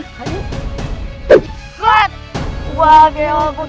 wah keren banget